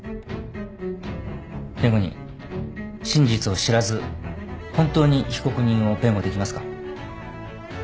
弁護人真実を知らず本当に被告人を弁護できますか？